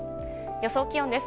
予想気温です。